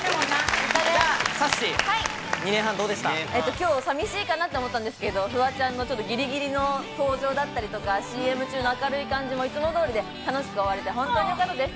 きょう寂しいかなって思ったんですけれども、フワちゃんのギリギリの登場だったりとか、ＣＭ中の明るい感じも、いつも通りで、楽しく終われて本当に良かったです。